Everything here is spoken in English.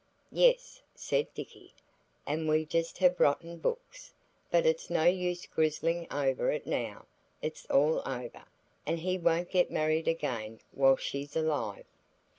"Yes," said Dicky; "and we just gave rotten books. But it's no use grizzling over it now. It's all over, and he won't get married again while she's alive."